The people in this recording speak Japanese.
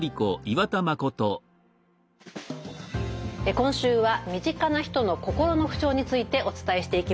今週は身近な人の心の不調についてお伝えしていきます。